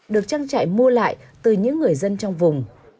được trang trại mua lại từ những người dân trong vùng